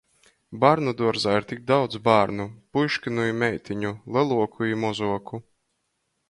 Bārnuduorzā ir tik daudzi bārnu — puiškinu i meitiņu, leluoku i mozuoku!